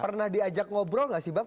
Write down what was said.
pernah diajak ngobrol nggak sih bang